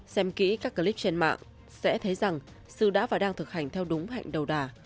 xem kỹ các clip trên mạng sẽ thấy rằng sư đã và đang thực hành theo đúng hạnh đầu đà